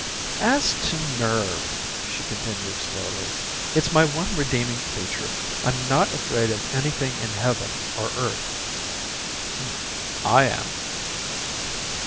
"As to nerve," she continued slowly, "it's my one redeemiug feature. I'm not afraid of anything in heaven or earth." "Hm, I am."